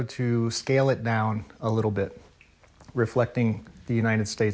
ที่จะเปิดกลายที่มีหรือส่งมือกัน